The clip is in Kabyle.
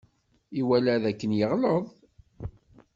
Iwala dakken yeɣleḍ.